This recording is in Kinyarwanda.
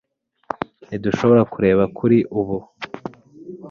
ntidushobora kureba kuri ubu